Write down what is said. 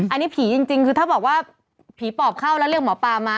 อันนี้ผีจริงคือถ้าบอกว่าผีปอบเข้าแล้วเรียกหมอปลามา